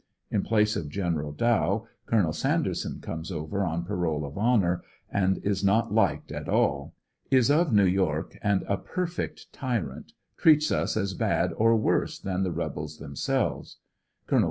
In place of Gen. Dow, Col. {Sanderson comes over on parole of honor; and is not liked at all. Is of ISew York and a perfect tyrant; treats us as bad or worse than the rebels themselves. Col.